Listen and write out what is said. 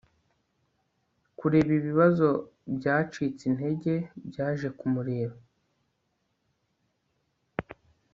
Kureba ibibazo byacitse intege byaje kumureba